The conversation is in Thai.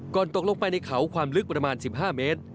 ตกลงไปในเขาความลึกประมาณ๑๕เมตร